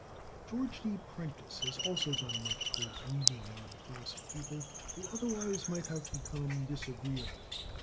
George D. Prentice has also done much toward weeding out a class of people who otherwise might have become disagreeable.